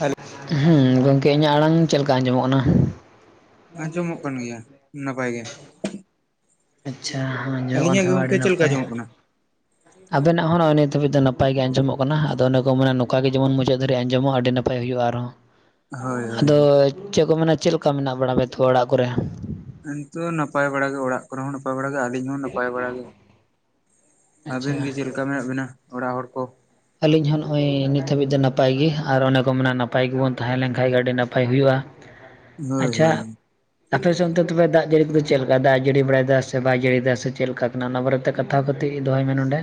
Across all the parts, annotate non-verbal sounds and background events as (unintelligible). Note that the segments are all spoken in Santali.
ᱦᱮᱞᱳ ᱦᱩᱸ ᱜᱚᱢᱠᱮ ᱤᱧᱟᱹᱜ ᱟᱲᱟᱝ ᱪᱮᱫ ᱞᱮᱠᱟ ᱟᱸᱡᱚᱢᱚᱜ ᱠᱟᱱᱟ ᱟᱸᱡᱚᱢᱚᱜ ᱠᱟᱱ ᱜᱮᱭᱟ ᱱᱟᱯᱟᱭ ᱜᱮ ᱟᱪᱪᱷᱟ ᱟᱸᱡᱚᱢᱚᱜ ᱠᱟᱱ ᱟᱹᱞᱤᱧᱟᱜ ᱜᱮ ᱠᱷᱟᱱ ᱢᱟ ᱟᱹᱰᱤ ᱜᱚᱝᱠᱮ ᱪᱮᱫ ᱞᱮᱠᱟ ᱱᱟᱯᱟᱭ ᱟᱸᱡᱚᱢᱚᱜ ᱠᱟᱱᱟ? ᱟᱵᱮᱱᱟᱜ ᱦᱚᱸ ᱱᱚᱜᱼᱚᱭ ᱱᱤᱛ ᱫᱷᱟᱵᱤᱡ ᱫᱚ ᱱᱟᱯᱟᱭ ᱜᱮ ᱟᱸᱡᱚᱜ ᱠᱟᱱᱟ ᱟᱫᱚ ᱚᱱᱟ ᱠᱚ ᱢᱮᱱᱟ ᱱᱚᱝᱠᱟ ᱜᱮ ᱡᱮᱢᱚᱱ ᱢᱩᱪᱟᱹᱫ ᱫᱷᱟᱵᱤᱡ ᱟᱸᱡᱚᱢᱚᱜ ᱟᱹᱰᱤ ᱱᱟᱯᱟᱭ ᱱᱟᱯᱟᱭ ᱦᱩᱭᱩᱜᱼᱟ ᱟᱨᱦᱚᱸ ᱦᱳᱭ ᱦᱳᱭ ᱟᱫᱚ ᱪᱮᱫ ᱠᱚ ᱢᱮᱱᱟ ᱪᱮᱫ ᱞᱮᱠᱟ ᱢᱮᱱᱟᱜ ᱵᱟᱲᱟ ᱛᱚ ᱚᱲᱟᱜ ᱠᱚᱨᱮ ᱱᱤᱛᱚᱜ ᱦᱚ ᱱᱟᱯᱟᱭ ᱵᱟᱲᱟᱜ ᱜᱮ ᱚᱲᱟᱜ ᱠᱚᱨᱮ ᱦᱚᱸ ᱱᱟᱯᱟᱭ ᱵᱟᱲᱟ ᱜᱮ ᱟᱹᱞᱤᱧ ᱦᱚᱸ ᱱᱟᱯᱟᱭ ᱵᱟᱲᱟ ᱜᱮ ᱟᱪᱪᱷᱟ ᱟᱵᱮᱱ ᱜᱮ ᱪᱮᱫ ᱞᱮᱠᱟ ᱢᱮᱱᱟᱜ ᱵᱤᱱᱟ ᱚᱲᱟᱜ ᱦᱚᱲ ᱠᱚ ᱟᱹᱞᱤᱧ ᱦᱚᱸ ᱱᱚᱜᱼᱚᱭ ᱱᱤᱛ ᱦᱟᱹᱵᱤᱡ ᱫᱚ ᱱᱟᱯᱟᱭ ᱜᱮ ᱟᱨ ᱚᱱᱮ ᱠᱚ ᱢᱮᱱᱟ ᱱᱟᱯᱟᱭ ᱜᱮᱵᱚᱱ ᱛᱟᱦᱮᱸ ᱞᱮᱱ ᱠᱷᱟᱱ ᱜᱮ ᱟᱹᱰᱤ ᱱᱟᱯᱟᱭ ᱦᱩᱭᱩᱜᱼᱟ ᱦᱳᱭ ᱟᱪᱪᱷᱟ ᱦᱳᱭ ᱟᱯᱮ ᱥᱮ ᱚᱱᱛᱮ ᱛᱚᱵᱮ ᱫᱟᱜ ᱡᱟᱹᱲᱤ ᱠᱚᱫᱚ ᱪᱮᱫ ᱞᱮᱠᱟ ᱫᱟᱜ ᱮ ᱡᱟᱹᱲᱤ ᱵᱟᱲᱟᱭ ᱫᱟ ᱥᱮ ᱵᱟᱭ ᱡᱟᱹᱲᱤᱭᱫᱟ ᱥᱮ ᱪᱮᱫ ᱞᱮᱠᱟ ᱠᱟᱱᱟ ᱚᱱᱟ ᱵᱟᱨᱮᱛᱮ (unintelligible) ᱠᱟᱛᱮ ᱜᱮ ᱫᱚᱦᱚᱭ ᱢᱮ ᱱᱚᱸᱰᱮ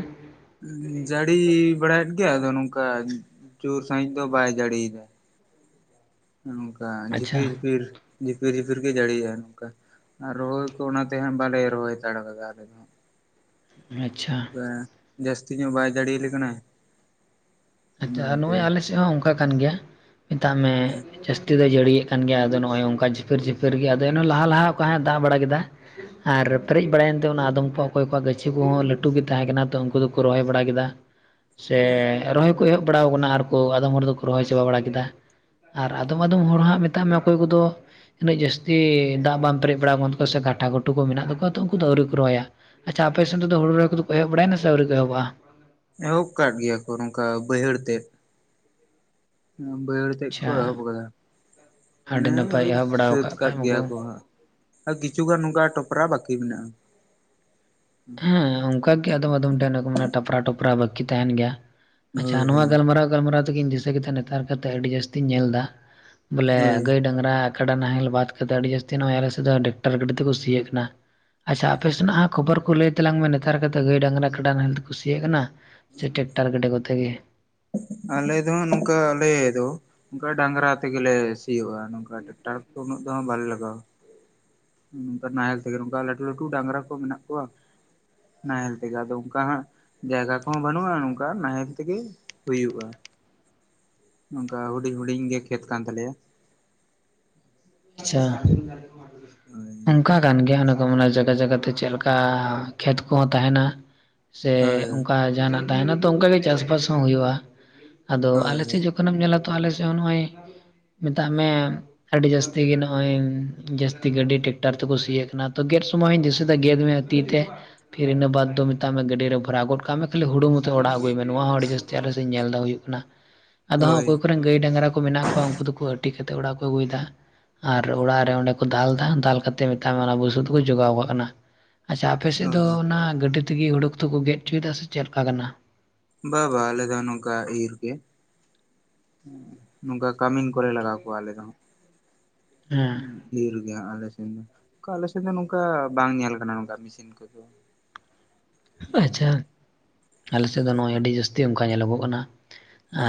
ᱡᱟᱹᱲᱤ ᱵᱟᱲᱟᱭᱮᱫ ᱜᱮᱭᱟ ᱟᱫᱚ ᱱᱚᱝᱠᱟ ᱡᱳᱨ ᱥᱟᱺᱦᱤᱡ ᱫᱚ ᱵᱟᱭ ᱡᱟᱹᱲᱤᱭ ᱮᱫᱟ ᱱᱚᱝᱠᱟ ᱟᱪᱪᱷᱟ ᱡᱷᱤᱯᱤᱨ ᱡᱷᱤᱯᱤᱨ ᱡᱷᱤᱯᱤᱨ ᱡᱷᱤᱯᱤᱨ ᱜᱮ ᱡᱟᱹᱲᱤᱭᱮᱫᱼᱟ ᱱᱚᱝᱠᱟ ᱟᱨ ᱨᱚᱦᱚᱭ ᱠᱚ ᱚᱱᱟᱛᱮ ᱦᱟᱸᱜ ᱵᱟᱞᱮ ᱨᱚᱦᱚᱭ ᱦᱟᱛᱟᱲ ᱟᱠᱟᱫᱟ ᱟᱞᱮ ᱫᱚ᱾ ᱟᱪᱪᱷᱟ᱾ ᱡᱟᱹᱥᱛᱤ ᱧᱚᱜ ᱵᱟᱭ ᱡᱟᱲᱮᱤ ᱟᱞᱮ ᱠᱟᱱᱟ᱾ ᱟᱪᱪᱷᱟ ᱟᱨ ᱱᱚᱜᱼᱚᱭ ᱟᱞᱮ ᱥᱮᱫ ᱦᱚᱸ ᱚᱱᱠᱟ ᱠᱟᱱ ᱜᱮᱭᱟ ᱢᱮᱛᱟᱜ ᱢᱮ ᱡᱟᱹᱥᱛᱤ ᱡᱟᱥᱛᱤ ᱫᱚᱭ ᱡᱟᱹᱲᱤᱭᱮᱫ ᱠᱟᱱ ᱜᱮᱭᱟ ᱟᱫᱚ ᱱᱚᱜᱚᱭ ᱱᱚᱝᱠᱟ ᱡᱷᱤᱯᱤᱨ ᱡᱷᱤᱯᱤᱨ ᱜᱮ ᱟᱫᱚ ᱞᱟᱦᱟ ᱞᱟᱦᱟ ᱚᱠᱟ (unintelligible) ᱫᱟᱜ ᱵᱟᱲᱟ ᱠᱮᱫᱟ᱾ ᱟᱨ ᱯᱮᱨᱮᱡ ᱵᱟᱲᱟᱭᱮᱱ ᱛᱮ ᱚᱱᱟ ᱟᱫᱚᱢ (unintelligible) ᱚᱠᱚᱭ ᱠᱚᱣᱟᱜ ᱜᱟᱹᱪᱷᱤ ᱠᱚᱦᱚᱸ ᱞᱟᱹᱴᱩ ᱜᱮ ᱛᱟᱦᱮᱸ ᱠᱟᱱᱟ ᱛᱚ ᱩᱱᱠᱩ ᱫᱚᱠᱚ ᱨᱚᱦᱚᱭ ᱵᱟᱲᱟ ᱠᱮᱫᱟ᱾ ᱥᱮ ᱨᱚᱦᱚᱭ ᱠᱚ ᱮᱦᱚᱵ ᱵᱟᱲᱟᱣ ᱟᱠᱟᱱᱟ ᱟᱨ ᱠᱚ ᱟᱫᱚᱢ ᱦᱚᱲ ᱫᱚᱠᱚ ᱨᱚᱦᱚᱭ ᱪᱟᱵᱟ ᱵᱟᱲᱟ ᱠᱮᱫᱟ᱾ ᱟᱨ ᱟᱫᱚᱢ ᱟᱫᱚᱢ ᱦᱚᱲ ᱦᱟᱸᱜ ᱢᱮᱛᱟᱜ ᱢᱮ ᱚᱠᱚᱭ ᱠᱚᱫᱚ ᱩᱱᱟᱹᱜ ᱡᱟᱹᱥᱛᱤ ᱫᱟᱜ ᱵᱟᱝ ᱯᱮᱨᱮᱡ ᱵᱟᱲᱟ ᱟᱠᱟᱱ ᱛᱠᱚᱣᱟ ᱥᱮ ᱜᱷᱟᱴᱟ ᱜᱷᱩᱴᱩ ᱠᱚ ᱢᱮᱱᱟᱜ ᱛᱟᱠᱚᱣᱟ ᱛᱚ ᱩᱱᱠᱩ ᱫᱚ ᱟᱹᱣᱨᱤ ᱠᱚ ᱨᱚᱦᱚᱭᱟ᱾ ᱟᱪᱪᱷᱟ ᱟᱯᱮ ᱥᱮᱱ ᱨᱮᱫᱚ ᱦᱩᱲᱩ ᱨᱚᱦᱚᱭ ᱠᱚ ᱮᱦᱚᱵ ᱵᱟᱲᱟᱭᱮᱱᱟ ᱥᱮ ᱟᱹᱣᱨᱤ ᱠᱚ ᱮᱦᱚᱵᱼᱟ? ᱮᱦᱚᱵ ᱟᱠᱟᱫ ᱜᱮᱭᱟ ᱠᱚ ᱱᱚᱝᱠᱟ ᱵᱟᱹᱭᱦᱟᱹᱲ ᱛᱮᱫ ᱵᱟᱹᱭᱦᱟᱹᱲ ᱪᱮᱫ ᱠᱚ ᱟᱪᱪᱷᱟ ᱮᱦᱚᱵ ᱟᱠᱟᱫᱟ ᱟᱹᱰᱤ ᱢᱟᱱᱮ ᱱᱟᱯᱟᱭ ᱳᱭ ᱮᱦᱚᱵ ᱵᱟᱲᱟᱣ ᱥᱟᱹᱛ ᱠᱟᱜ ᱠᱷᱟᱱ ᱜᱮᱭᱟ ᱢᱟᱠᱚ ᱠᱚ ᱦᱟᱸᱜ ᱟᱨ ᱠᱤᱪᱷᱩ ᱜᱟᱱ ᱱᱚᱝᱠᱟ ᱴᱚᱯᱨᱟ ᱵᱟᱠᱤ ᱢᱮᱱᱟᱜᱼᱟ᱾ ᱦᱮᱸ ᱚᱱᱠᱟ ᱜᱮ ᱟᱫᱚᱢ ᱟᱫᱚᱢ ᱴᱷᱮᱱ ᱴᱮᱯᱨᱟ ᱴᱚᱯᱨᱟ ᱵᱟᱹᱠᱤ ᱛᱟᱦᱮᱱ ᱜᱮᱭᱟ᱾ ᱟᱪᱪᱷᱟ ᱦᱳᱭ ᱱᱚᱣᱟ ᱦᱳᱭ ᱜᱟᱞᱢᱟᱨᱟᱣ ᱜᱟᱞᱢᱟᱨᱟᱣ ᱛᱮᱜᱤᱧ ᱫᱤᱥᱟᱹ ᱠᱮᱫᱟ ᱱᱮᱛᱟᱨ ᱠᱟᱛᱮ ᱟᱹᱰᱤ ᱡᱟᱹᱥᱛᱤᱧ ᱧᱮᱞ ᱮᱫᱟ ᱵᱚᱞᱮ ᱦᱳᱭ ᱜᱟᱹᱭ ᱰᱟᱝᱨᱟ ᱠᱟᱰᱟ ᱱᱟᱦᱮᱞ ᱵᱟᱫ ᱠᱟᱛᱮ ᱡᱟᱹᱛᱤ ᱱᱚᱜᱚᱭ ᱟᱞᱮ ᱥᱮᱫ ᱫᱚ ᱰᱟᱠᱴᱟᱨ ᱜᱟᱹᱰᱤᱡ ᱛᱮᱠᱚ ᱥᱤᱭᱮᱫ ᱠᱟᱱᱟ ᱟᱪᱪᱷᱟ ᱟᱯᱮ ᱥᱮᱱᱟᱜ ᱠᱷᱚᱵᱚᱨ ᱦᱚᱸ ᱞᱟᱹᱭ ᱛᱟᱞᱟᱝ ᱢᱮ ᱱᱮᱛᱟᱨ ᱠᱟᱛᱮ ᱫᱚ ᱜᱟᱹᱭ ᱰᱟᱝᱨᱟ ᱠᱟᱰᱟ ᱱᱟᱦᱮᱞ ᱛᱮᱠᱚ ᱥᱤᱭᱚᱜ ᱠᱟᱱᱟ ᱥᱮ ᱴᱮᱠᱴᱟᱨ ᱜᱟᱰᱤ ᱠᱚᱛᱮ ᱜᱮ ᱟᱞᱮ ᱫᱚ ᱱᱚᱝᱠᱟ ᱟᱞᱮ ᱫᱚ ᱱᱚᱝᱠᱟ ᱰᱟᱝᱨᱟ ᱛᱮᱜᱮ ᱞᱮ ᱥᱤᱭᱳᱜᱼᱟ᱾ ᱱᱚᱝᱠᱟ ᱴᱨᱟᱠᱴᱟᱨ ᱠᱚ ᱩᱱᱟᱹᱜ ᱫᱚ ᱦᱟᱸᱜ ᱵᱟᱞᱮ ᱞᱟᱜᱟᱣᱟ ᱚᱱᱠᱟ ᱱᱟᱦᱮᱞ ᱛᱮᱜᱮ ᱱᱚᱝᱠᱟ ᱞᱟᱹᱴᱩ ᱞᱟᱹᱴᱩ ᱰᱟᱝᱨᱟ ᱠᱚ ᱢᱮᱱᱟᱜ ᱠᱚᱣᱟ ᱱᱟᱦᱮᱞ ᱛᱮᱜᱮ ᱟᱫᱚ ᱚᱱᱠᱟ ᱦᱟᱸᱜ ᱡᱟᱭᱜᱟ ᱠᱚᱦᱚᱸ ᱵᱟᱹᱱᱩᱜᱼᱟ ᱱᱚᱝᱠᱟ ᱱᱟᱦᱮᱞ ᱛᱮᱜᱮ ᱦᱩᱭᱩᱜᱼᱟ᱾ ᱱᱚᱝᱠᱟ ᱦᱩᱰᱤᱧ ᱦᱩᱰᱤᱧ ᱜᱮ ᱠᱷᱮᱛ ᱠᱟᱱ ᱛᱟᱞᱮᱭᱟ ᱟᱪᱪᱷᱟ᱾ ᱦᱳᱭ᱾ ᱚᱱᱠᱟ ᱠᱟᱱ ᱜᱮᱭᱟ ᱚᱱᱮ ᱠᱚ ᱢᱟᱱᱮ ᱡᱟᱭᱜᱟ ᱡᱟᱭᱜᱟ ᱛᱮ ᱪᱮᱫ ᱞᱮᱠᱟ ᱠᱷᱮᱛ ᱠᱚᱦᱚᱸ ᱛᱟᱦᱮᱱᱟ᱾ ᱥᱮ ᱦᱳᱭ ᱚᱱᱠᱟ ᱡᱟᱦᱱᱟᱜ ᱛᱟᱦᱮᱸᱱᱟ ᱛᱚ ᱚᱱᱠᱟᱜᱮ ᱪᱟᱥᱵᱟᱥ ᱦᱚᱸ ᱦᱩᱭᱩᱜᱼᱟ᱾ ᱟᱫᱚ ᱦᱳᱭ ᱟᱞᱮ ᱥᱮᱫ ᱡᱠᱷᱚᱱ ᱠᱷᱚᱱᱮᱢ ᱧᱮᱞᱟ ᱛᱚ ᱟᱞᱮ ᱥᱮᱫ ᱦᱚᱸ ᱱᱚᱜᱼᱚᱭ ᱢᱮᱛᱟᱜ ᱢᱮ ᱟᱹᱰᱤ ᱡᱟᱹᱥᱛᱤ ᱛᱮᱜᱮ ᱱᱚᱜᱼᱚᱭ ᱡᱟᱹᱥᱛᱤ ᱜᱟᱹᱰᱤ ᱴᱮᱠᱴᱟᱨ ᱛᱮᱠᱚ ᱥᱤᱭᱮᱜ ᱠᱟᱱᱟ ᱛᱚ ᱜᱮᱫ ᱥᱚᱢᱚᱭ (unintelligible) ᱜᱮᱫ ᱢᱮ ᱛᱤ ᱛᱮ᱾ ᱯᱷᱤᱨ ᱤᱱᱟᱹ ᱵᱟᱫᱽ ᱫᱚ ᱢᱮᱛᱟᱜ ᱢᱮ ᱜᱟᱹᱰᱤ ᱨᱮ ᱵᱷᱚᱨᱟᱣ ᱜᱚᱫ ᱠᱟᱜ ᱢᱮ ᱠᱷᱟᱹᱞᱤ ᱦᱩᱱᱩ (unintelligible) ᱢᱚᱛᱚ ᱚᱲᱟᱜ ᱟᱹᱜᱩᱭ ᱢᱮ ᱱᱚᱣᱟ ᱦᱚᱸ ᱟᱹᱰᱤ ᱡᱟᱹᱥᱛᱤ ᱟᱞᱮ ᱥᱮᱫ ᱤᱧ ᱧᱮᱞ ᱮᱫᱟ ᱦᱩᱭᱩᱜ ᱠᱟᱱᱟ᱾ ᱟᱫᱚ ᱦᱟᱸᱜ ᱦᱳᱭ ᱚᱠᱚᱭ ᱠᱚᱨᱮᱱ ᱜᱟᱹᱭ ᱰᱟᱝᱜᱽᱨᱟ ᱠᱚ ᱢᱮᱱᱟᱜ ᱠᱚᱣᱟ ᱩᱱᱠᱩ ᱫᱚᱠᱚ ᱟᱹᱴᱤ ᱠᱟᱛᱮᱜ ᱚᱲᱟᱜ ᱠᱚ ᱟᱹᱜᱩᱭᱮᱫᱟ ᱦᱟᱸᱜ ᱟᱨ ᱚᱲᱟᱜ ᱨᱮ ᱚᱸᱰᱮ ᱠᱚ ᱫᱟᱞ ᱮᱫᱟ ᱫᱟᱞ ᱠᱟᱛᱮᱫ ᱢᱮᱛᱟᱜ ᱢᱮ ᱚᱱᱟ ᱵᱩᱥᱩᱵ ᱫᱚᱠᱚ ᱡᱚᱜᱟᱣ ᱠᱟᱜ ᱠᱟᱱᱟ᱾ ᱟᱪᱪᱷᱟ ᱟᱯᱮᱱᱥᱮᱫ ᱫᱚ ᱦᱳᱭ ᱚᱱᱟ ᱜᱟᱹᱰᱤ ᱛᱮᱜᱮ ᱦᱩᱲᱩ ᱠᱚᱫᱚ ᱠᱚ ᱜᱮᱫ ᱦᱚᱪᱚᱭᱮᱫᱟ ᱥᱮ ᱪᱮᱫ ᱞᱮᱠᱟ ᱠᱟᱱᱟ? ᱵᱟ ᱵᱟ ᱟᱞᱮ ᱫᱚ ᱱᱚᱝᱠᱟ ᱤᱨ ᱜᱮ ᱱᱚᱝᱠᱟ ᱠᱟᱹᱢᱤᱱ ᱠᱚᱨᱮ ᱞᱟᱜᱟᱣ ᱠᱚᱣᱟ ᱟᱞᱮ ᱫᱚ ᱦᱮᱸ ᱤᱨ ᱜᱮ ᱦᱟᱸᱜ ᱟᱞᱮ ᱥᱮᱱ ᱫᱚ ᱱᱚᱝᱠᱟᱱ ᱟᱞᱮ ᱥᱮᱫ ᱫᱚ ᱱᱚᱝᱠᱟ ᱵᱟᱝ ᱧᱮᱞ ᱟᱠᱟᱱᱟ ᱱᱚᱝᱠᱟ ᱢᱮᱥᱤᱱ ᱠᱚ ᱫᱚ ᱟᱪᱪᱷᱟ, ᱟᱞᱮ ᱥᱮᱫ ᱫᱚ ᱱᱚᱜᱼᱚᱭ ᱟᱹᱰᱤ ᱡᱟᱹᱥᱛᱤ ᱚᱱᱠᱟ ᱧᱮᱞᱚᱜᱚᱜ ᱠᱟᱱᱟ᱾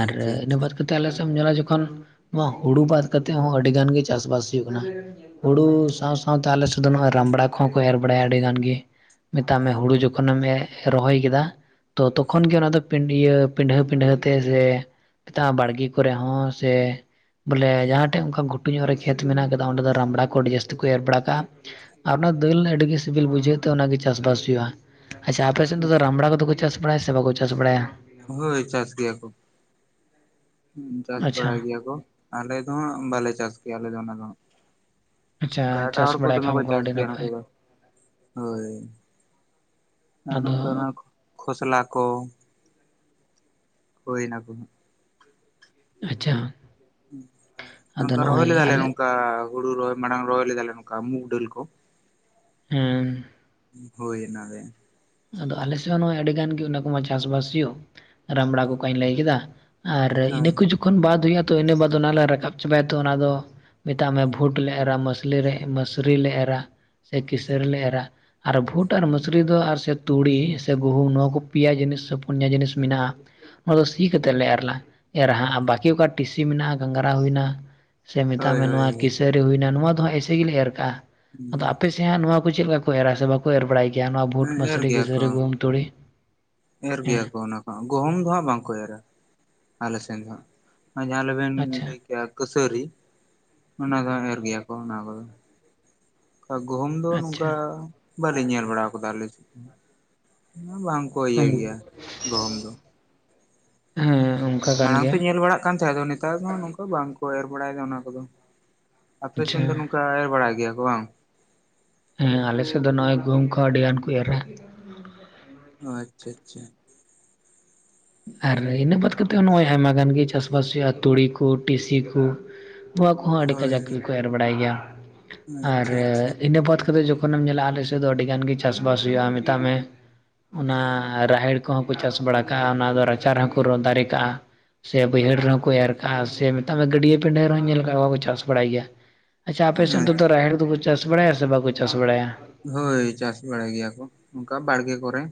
ᱟᱨ ᱤᱱᱟᱹ ᱵᱟᱫᱽ ᱟᱪᱪᱷᱟ ᱠᱟᱛᱮᱫ ᱟᱞᱮ ᱥᱮᱫ ᱮᱢ ᱧᱮᱞᱟ ᱡᱚᱠᱷᱚᱱ ᱱᱚᱣᱟ ᱦᱩᱲᱩ ᱵᱟᱫᱽ ᱠᱟᱛᱮᱫ ᱦᱚᱸ ᱟᱹᱰᱤ ᱜᱟᱱ ᱜᱮ ᱪᱟᱥ ᱵᱟᱥ ᱦᱩᱭᱩᱜ ᱠᱟᱱᱟ᱾ ᱦᱩᱲᱩ ᱥᱟᱶ ᱥᱟᱶᱛᱮ ᱟᱞᱮ ᱥᱮᱫ ᱫᱚ ᱱᱚᱜᱚᱭ ᱨᱟᱢᱵᱽᱲᱟ ᱠᱚᱦᱚᱸ ᱠᱚ ᱮᱨ ᱵᱟᱲᱟᱭᱟ ᱟᱹᱰᱤ ᱜᱟᱱ ᱜᱮ ᱢᱮᱛᱟᱜ ᱢᱮ ᱦᱩᱲᱩ (unintelligible) ᱠᱷᱚᱱᱮᱢ ᱨᱚᱦᱚᱭ ᱠᱮᱫᱟ ᱛᱚ ᱛᱚᱠᱷᱚᱱ ᱜᱮ ᱚᱱᱟ ᱫᱚ ᱯᱤᱰᱷᱟᱹ ᱯᱤᱰᱷᱟᱹ ᱯᱤᱰᱷᱟᱹ ᱛᱮ ᱥᱮ (unintelligible) ᱵᱟᱲᱜᱮ ᱠᱚᱨᱮ ᱦᱚᱸ ᱥᱮ ᱵᱚᱞᱮ ᱡᱟᱦᱟᱸ ᱴᱷᱮᱡ ᱚᱱᱠᱟ ᱜᱷᱩᱴᱩ ᱧᱚᱜ ᱨᱮ ᱠᱷᱮᱛ ᱢᱮᱱᱟᱜ ᱟᱠᱟᱫᱟ ᱚᱸᱰᱮ ᱫᱚ ᱨᱟᱢᱲᱟ ᱠᱚ ᱟᱹᱰᱤ ᱡᱟᱹᱥᱛᱤ ᱠᱚ ᱮᱨ ᱵᱟᱲᱟ ᱠᱟᱜᱼᱟ᱾ ᱟᱨ ᱚᱱᱟ ᱫᱟᱹᱞ ᱟᱹᱰᱤ ᱜᱮ ᱥᱤᱵᱤᱞ ᱵᱩᱡᱷᱟᱹᱜ ᱛᱮ ᱚᱱᱟ ᱜᱮ ᱪᱟᱥᱵᱟᱥ ᱦᱩᱭᱩᱜᱼᱟ᱾ ᱟᱪᱪᱷᱟ ᱟᱯᱮ ᱥᱮᱫ ᱫᱚ ᱨᱟᱢᱵᱽᱲᱟ ᱠᱚᱫᱚ ᱠᱚ ᱪᱟᱥ ᱵᱟᱲᱟᱭᱟ ᱥᱮ ᱵᱟᱠᱚ ᱪᱟᱥ ᱵᱟᱲᱟᱭᱟ? ᱦᱳᱭ ᱪᱟᱥ ᱜᱮᱭᱟ ᱠᱚ ᱪᱟᱥ ᱟᱪᱪᱷᱟ ᱵᱟᱲᱟᱭ ᱜᱮᱭᱟ ᱠᱚ᱾ ᱟᱞᱮ ᱫᱚ ᱦᱟᱸᱜ ᱵᱟᱞᱮ ᱪᱟᱥ ᱜᱮᱭᱟ ᱟᱞᱮ ᱫᱚ ᱚᱱᱟ ᱫᱚ ᱦᱟᱸᱜ᱾ ᱟᱪᱪᱷᱟ ᱚᱱᱠᱟ ᱮᱴᱟᱜ ᱪᱟᱥ ᱦᱚᱲ ᱠᱚ ᱵᱟᱲᱟᱭ ᱫᱚᱢᱮ ᱠᱷᱟᱱ ᱠᱚ ᱪᱟᱥ ᱟᱹᱰᱤ ᱜᱮᱭᱟ ᱱᱚᱛᱮ ᱱᱟᱯᱟᱭ ᱫᱚ ᱦᱳᱭ ᱟᱫᱚ ᱱᱚᱝᱠᱟ ᱚᱱᱟ ᱠᱷᱚᱥᱞᱟ ᱠᱚ ᱦᱳᱭ ᱚᱱᱟ ᱠᱚ ᱦᱟᱜ ᱟᱪᱪᱷᱟ ᱟᱫᱚ ᱱᱚᱝᱠᱟ ᱨᱚᱦᱚᱭ ᱱᱚᱜᱼᱚᱭ ᱞᱮᱫᱟᱞᱮ ᱟᱞᱮ ᱱᱚᱝᱠᱟ ᱦᱩᱲᱩ ᱨᱚᱦᱚᱭ ᱢᱟᱲᱟᱝ ᱨᱚᱦᱚᱭ ᱞᱮᱫᱟᱞᱮ ᱱᱚᱝᱠᱟ ᱢᱩᱜᱽ ᱰᱟᱹᱞ ᱠᱚ ᱦᱮᱸ ᱦᱳᱭ ᱚᱱᱟ ᱨᱮ ᱟᱫᱚ ᱟᱞᱮ ᱥᱮᱫ ᱦᱚᱸ ᱱᱚᱜᱼᱚᱭ ᱟᱹᱰᱤ ᱜᱟᱱ ᱜᱮ ᱚᱱᱟ ᱠᱚᱢᱟ ᱪᱟᱥᱵᱟᱥ ᱦᱩᱭᱩᱜ ᱨᱟᱢᱲᱟ ᱠᱚ ᱠᱟᱹᱧ ᱞᱟᱹᱭ ᱠᱮᱫᱟ ᱟᱨ ᱤᱱᱟᱹ ᱦᱳᱭ ᱠᱚ ᱡᱚᱠᱷᱚᱱ ᱵᱟᱫ ᱦᱩᱭᱩᱜᱼᱟ ᱛᱚ ᱤᱱᱟᱹ ᱵᱟᱫᱽ ᱚᱱᱟᱞᱮ ᱨᱟᱠᱟᱵ ᱪᱟᱵᱟᱭᱟ ᱛᱚ ᱚᱱᱟᱫᱚ ᱢᱮᱛᱟᱜ ᱢᱮ ᱵᱷᱳᱴ ᱞᱮ ᱮᱨᱟ ᱢᱟᱥᱞᱤ ᱨᱮ ᱢᱟᱹᱥᱨᱤ ᱞᱮ ᱮᱨᱟ ᱥᱮ ᱠᱤᱥᱟᱹᱨ ᱞᱮ ᱮᱨᱟ ᱟᱨ ᱵᱷᱩᱴ ᱟᱨ ᱢᱟᱹᱥᱨᱤ ᱫᱚ ᱟᱨ (unintelligible) ᱛᱩᱲᱤ ᱥᱮ ᱜᱩᱦᱩᱢ ᱱᱚᱣᱟ ᱠᱚ ᱯᱮᱭᱟ ᱡᱤᱱᱤᱥ ᱥᱮ ᱯᱩᱱᱭᱟ ᱡᱤᱱᱤᱥ ᱢᱮᱱᱟᱜᱼᱟ ᱚᱱᱟ ᱫᱚ ᱥᱤ ᱠᱟᱛᱮᱫ ᱞᱮ ᱮᱨᱻᱞᱟ ᱮᱨᱟ ᱦᱟᱸᱜ ᱟᱨ ᱵᱟᱹᱠᱤ ᱚᱠᱟ ᱴᱤᱥᱤ ᱢᱮᱱᱟᱜᱼᱟ ᱜᱷᱟᱝᱜᱨᱟ ᱦᱩᱭᱱᱟ ᱥᱮ ᱢᱮᱛᱟᱜ ᱦᱳᱭ ᱢᱮ ᱦᱳᱭ ᱱᱚᱣᱟ ᱠᱤᱥᱟᱹᱨᱤ ᱦᱩᱭᱱᱟ ᱱᱚᱣᱟ ᱫᱚ ᱮᱭᱥᱮ ᱜᱮᱞᱮ ᱮᱨ ᱠᱟᱜᱼᱟ ᱟᱫᱚ ᱦᱳᱭ ᱟᱯᱮᱥᱮᱫ ᱦᱟᱸᱜ ᱱᱚᱣᱟ ᱠᱚ ᱪᱮᱫ ᱞᱮᱠᱟᱼᱼ ᱠᱚ ᱮᱨᱟ ᱥᱮ ᱵᱟᱠᱚ ᱮᱨ ᱵᱟᱲᱟᱭ ᱜᱮᱭᱟ ᱱᱚᱣᱟ ᱵᱷᱳᱴ ᱮᱨ ᱢᱟᱹᱥᱨᱤ ᱠᱤ ᱜᱮᱭᱟ ᱠᱚ ᱥᱟᱹᱨᱤ ᱜᱩᱦᱩᱢ ᱛᱩᱲᱤ ᱮᱨ ᱦᱮᱸ ᱜᱮᱭᱟ ᱠᱚ ᱚᱱᱟ ᱠᱚ ᱜᱚᱦᱚᱢ ᱫᱚ ᱦᱟᱸᱜ ᱵᱟᱝᱠᱚ ᱮᱨᱟ ᱟᱞᱮ ᱥᱮᱱ ᱫᱚ ᱦᱟᱸᱜ ᱟᱨ ᱡᱟᱦᱟᱸᱞᱮᱵᱮᱱ ᱟᱪᱪᱷᱟ ᱞᱟᱹᱭ ᱠᱮᱜᱼᱟ ᱠᱟᱹᱥᱟᱹᱨᱤ ᱚᱱᱟ ᱫᱚ ᱮᱨ ᱜᱮᱭᱟ ᱠᱚ ᱚᱱᱟ ᱠᱚᱫᱚ ᱜᱚᱦᱚᱢ ᱫᱚ ᱟᱪᱪᱷᱟ ᱱᱚᱝᱠᱟ ᱵᱟᱞᱮᱧ ᱧᱮᱞ ᱵᱟᱲᱟᱣ ᱠᱟᱫᱟ ᱟᱞᱮ ᱥᱮᱫ ᱵᱟᱝ (unintelligible) ᱦᱮᱸ ᱠᱟᱱ ᱢᱟᱲᱟᱝ ᱛᱮ ᱜᱮᱭᱟ ᱧᱮᱞ ᱵᱟᱲᱟᱜ ᱠᱟᱱ ᱛᱟᱦᱮᱸᱫ ᱟᱫᱚ ᱱᱮᱛᱟᱨ ᱦᱚᱸ ᱱᱚᱝᱠᱟ ᱵᱟᱝᱠᱚ ᱮᱨ ᱵᱟᱲᱟᱭ ᱫᱟ ᱚᱱᱟ ᱠᱚᱫᱚ ᱟᱯᱮ ᱟᱪᱪᱷᱟ ᱥᱮᱱ ᱫᱚ ᱱᱚᱝᱠᱟ ᱮᱨ ᱵᱟᱲᱟᱭ ᱜᱮᱭᱟ ᱠᱚ ᱵᱟᱝ ᱦᱮᱸ ᱟᱞᱮᱥᱮᱫ ᱫᱚ ᱱᱚᱜᱼᱚᱭ ᱜᱩᱦᱩᱢ ᱠᱚᱦᱚᱸ ᱟᱹᱰᱤ ᱜᱟᱱ ᱠᱚ ᱮᱨᱟ ᱚ ᱟᱪᱪᱷᱟ ᱟᱪᱪᱷᱟ ᱟᱨ ᱤᱱᱟᱹ ᱵᱟᱫ ᱠᱟᱛᱮᱫ ᱦᱚᱸ ᱱᱚᱜᱼᱚᱭ ᱟᱭᱢᱟ ᱜᱟᱱ ᱜᱮ ᱪᱟᱥᱵᱟᱥ ᱦᱩᱭᱩᱜᱼᱟ ᱛᱩᱲᱤ ᱠᱚ ᱴᱤᱥᱤ ᱠᱚ ᱱᱚᱣᱟ ᱠᱚᱦᱚᱸ ᱟᱹᱰᱤ ᱦᱳᱭ ᱠᱟᱡᱟᱠ ᱜᱮᱠᱚ ᱮᱨ ᱵᱟᱲᱟᱭ ᱜᱮᱭᱟ ᱟᱨ ᱟᱪᱪᱷᱟ ᱟᱪᱪᱷᱟ ᱤᱱᱟᱹ ᱵᱟᱫ ᱠᱟᱛᱮᱫ ᱡᱚᱠᱷᱚᱱᱮᱢ ᱧᱮᱞᱟ ᱟᱞᱮ ᱥᱮᱫ ᱫᱚ ᱟᱹᱰᱤ ᱜᱟᱱ ᱜᱮ ᱪᱟᱥᱵᱟᱥ ᱦᱩᱭᱩᱜᱼᱟ ᱢᱮᱛᱟᱜ ᱢᱮ ᱚᱱᱟ ᱨᱟᱦᱮᱲ ᱠᱚᱦᱚᱸ ᱠᱚ ᱪᱟᱥ ᱵᱟᱲᱟ ᱠᱟᱜᱼᱟ ᱚᱱᱟ ᱫᱚ ᱨᱟᱪᱟ ᱨᱮᱦᱚᱸᱠᱚ ᱨᱚᱼᱫᱟᱨᱮ ᱠᱟᱜᱼᱟ ᱥᱮ ᱵᱟᱹᱭᱦᱟᱹᱲ ᱨᱮᱦᱚᱸ ᱠᱚ ᱮᱨ ᱠᱟᱜᱼᱟ ᱥᱮ ᱢᱮᱛᱟᱜ ᱢᱮ ᱜᱟᱹᱰᱤᱭᱟᱹ ᱯᱤᱸᱰᱟᱹ ᱨᱮᱦᱚᱸ ᱧᱮᱞ ᱠᱟᱜ ᱠᱚᱣᱟ ᱪᱟᱥ ᱵᱟᱲᱟᱭ ᱜᱮᱭᱟ ᱟᱪᱪᱷᱟ ᱟᱯᱮᱥᱮᱫ ᱚᱱᱛᱮ ᱫᱚ ᱨᱟᱦᱮᱲ ᱫᱚᱠᱚ ᱪᱟᱥ ᱵᱟᱲᱟᱭᱟ ᱥᱮ ᱵᱟᱠᱚ ᱪᱟᱥ ᱵᱟᱲᱟᱭᱟ ᱦᱳᱭ ᱪᱟᱥ ᱵᱟᱲᱟᱭ ᱜᱮᱭᱟ ᱠᱚ ᱚᱱᱠᱟ ᱵᱟᱲᱜᱮ ᱠᱚᱨᱮ